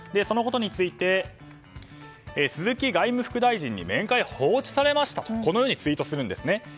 そのことについて鈴木外務副大臣に面会を放置されましたとこのようにツイートするんですね。